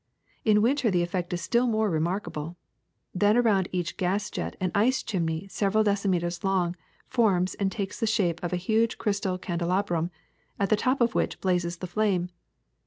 In winter the effect is still more remarkable. Then around each gas jet an ice chimney several decimeters long forms and takes the shape of a huge crystal candelabrum, at the top of which blazes the flame.